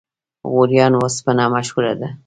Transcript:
غوریان وسپنه مشهوره ده؟